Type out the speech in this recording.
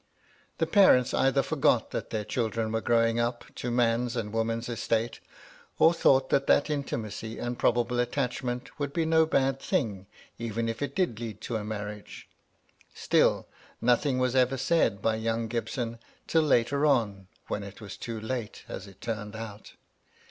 The parents either forgot that their children were growing up to man's and woman's estate, or thought that the intimacy and probable attachment would be no bad thing, even if it did lead to a marriage. Still, nothing was ever said by young Gibson till later on, when it was too late, as it turned out.